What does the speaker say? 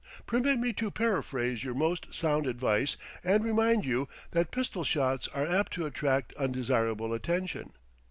Permit me to paraphrase your most sound advice, and remind you that pistol shots are apt to attract undesirable attention.